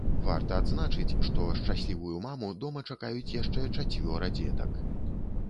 Варта адзначыць, што шчаслівую маму дома чакаюць яшчэ чацвёра дзетак.